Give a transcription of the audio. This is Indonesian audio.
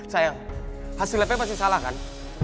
sayang hasil labnya pasti salah kan